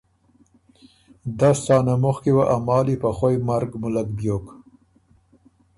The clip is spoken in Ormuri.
دس څانه مُخکی وه ا مالی په خوئ مرګ مُلک بیوک۔